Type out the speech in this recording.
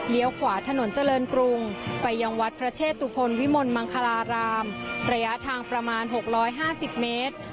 เลี้ยวขวาถนนเจริญกรุงไปยังวัดพระเชศตุพลวิมลมังคารารามระยะทางประมาณหกร้อยห้าสิบเมตร